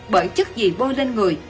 bởi chất gì bôi lên người